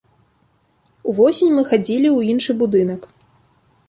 Увосень мы хадзілі ў іншы будынак.